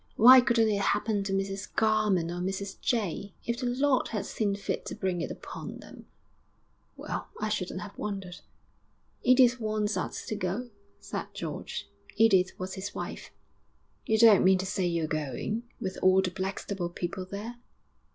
Why couldn't it happen to Mrs Garman or Mrs Jay? If the Lord had seen fit to bring it upon them well, I shouldn't have wondered.' 'Edith wants us to go,' said George Edith was his wife. 'You don't mean to say you're going, with all the Blackstable people there?'